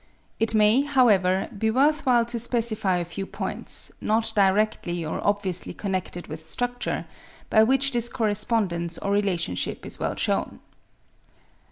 It may, however, be worth while to specify a few points, not directly or obviously connected with structure, by which this correspondence or relationship is well shewn.